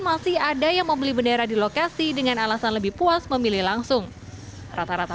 masih ada yang membeli bendera di lokasi dengan alasan lebih puas memilih langsung rata rata